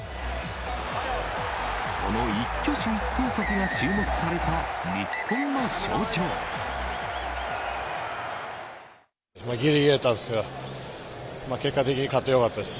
その一挙手一投足が注目されぎりぎりだったんですが、結果的に勝ってよかったです。